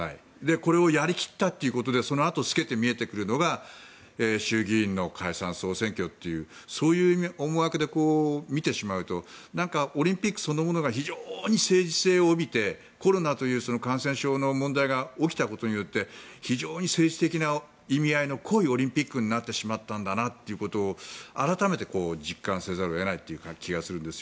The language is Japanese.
これをやり切ったということでそのあと透けて見えてくるのが衆議院の解散・総選挙というそういう思惑で見てしまうとオリンピックそのものが非常に政治性を帯びてコロナという感染症の問題が起きたことによって非常に政治的な意味合いの濃いオリンピックになってしまったんだということを改めて実感せざるを得ない気がするんです。